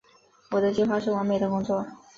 我的计划是完美的工作。